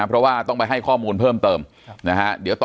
ปากกับภาคภูมิ